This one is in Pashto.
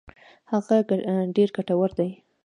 هغه ډېر ګټور دي.